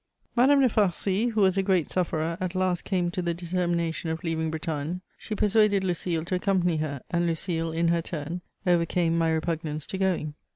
Madame de Farcy, who was a great sufferer, at last came to the determination of leaving Bretagne. She persuaded Lucile to accompany her, and Lucile, in her turn, overcame my repugnance to going.